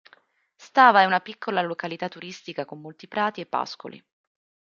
Stava è una piccola località turistica con molti prati e pascoli.